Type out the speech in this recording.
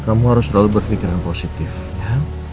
kamu harus selalu berpikiran positif ya